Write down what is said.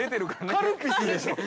◆カルピスでしょう。